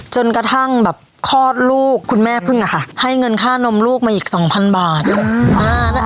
จนกระทั่งแบบคลอดลูกคุณแม่พึ่งอะค่ะให้เงินค่านมลูกมาอีกสองพันบาท